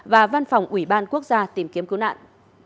và văn phòng ủy ban quốc gia tìm kiếm cứu nạn